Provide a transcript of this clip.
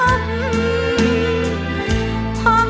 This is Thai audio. หัวใจเหมือนไฟร้อน